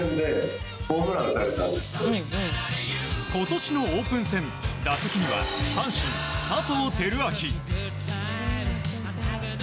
今年のオープン戦打席には阪神、佐藤輝明。